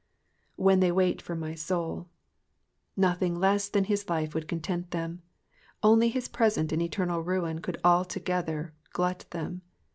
^^When they wait for my houV^ Nothing less than his life would content them, only his present and eternal ruin could altogether glut them.